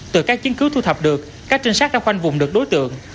từ các chiến cứu thu thập được các trinh sát đã khoanh vùng được đối tượng